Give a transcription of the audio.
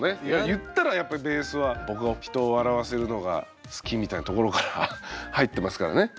言ったらやっぱりベースは僕は人を笑わせるのが好きみたいなところから入ってますからね。